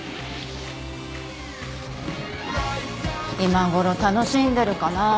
今ごろ楽しんでるかなぁ。